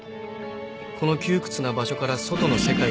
この窮屈な場所から外の世界へ」